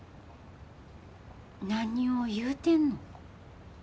何を言うてんの。